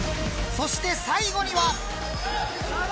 そして最後には。